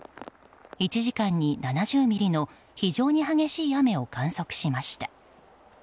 １時間に７０ミリの非常に激しい雨を観測しました。